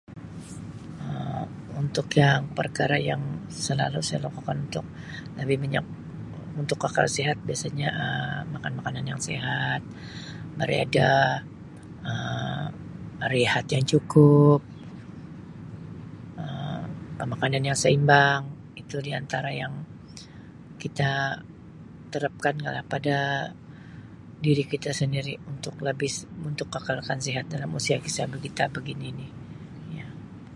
Um Untuk yang Um perkara yang selalu saya lakukan untuk lebih banyak untuk kekal sihat biasanya makan makanan yang sihat, beriadah Um rehat yang cukup Um pemakanan yang seimbang itu di antara yang kita terapkan lah pada diri kita sendiri untuk lebih untuk kekalkan sihat dalam usia-usia kita begini ni yah.